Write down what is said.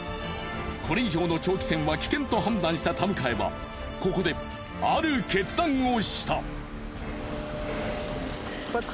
これ以上の長期戦は危険と判断した田迎はここである決断をした！